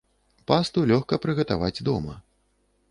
Пасту лёгка прыгатаваць дома.